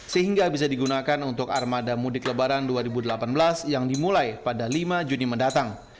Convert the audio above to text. sehingga bisa digunakan untuk armada mudik lebaran dua ribu delapan belas yang dimulai pada lima juni mendatang